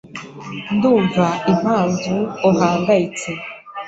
Ndumva impamvu uhangayitse.